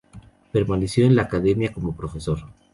Permaneció en la academia como profesor.